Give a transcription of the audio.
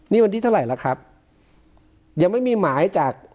นี่วันที่เท่าไหร่ล่ะครับยังไม่มีหมายจาก